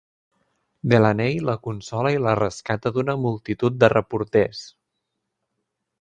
Delaney la consola i la rescata d'una multitud de reporters.